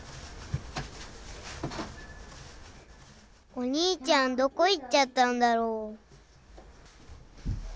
お兄ちゃんどこ行っちゃったんだろう。